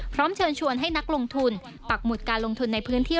เชิญชวนให้นักลงทุนปักหมุดการลงทุนในพื้นที่